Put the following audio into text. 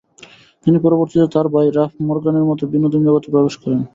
তিনি পরবর্তীতে তার ভাই রাফ মরগানের মত বিনোদন জগতে প্রবেশ করেন।